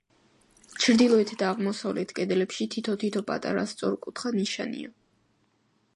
ჩრდილოეთ და აღმოსავლეთ კედლებში თითო-თითო პატარა სწორკუთხა ნიშია.